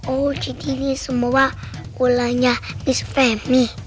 oh jadi ini semua kulanya miss femi